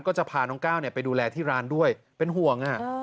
ก็จะพาน้องก้าวไปดูแลที่ร้านด้วยเป็นห่วง